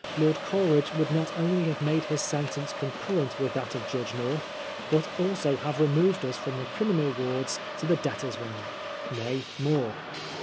Lord Cole* ridge would not only have made his sentence concur rent with that of Judge Korth, but also have removed us from the criminal wards to the debtors' wing. Nay, more.